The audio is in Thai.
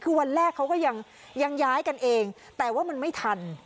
คือวันแรกเขาก็ยังย้ายกันเองแต่ว่ามันไม่ทัน